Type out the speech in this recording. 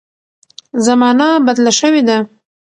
زمانه بدله شوې ده.